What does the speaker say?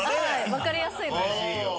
分かりやすいので。